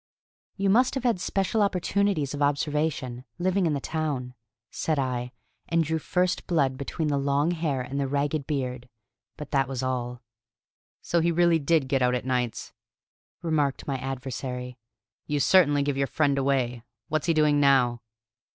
"You must have had special opportunities of observation, living in the town," said I; and drew first blood between the long hair and the ragged beard; but that was all. "So he really did get out at nights?" remarked my adversary. "You certainly give your friend away. What's he doing now?"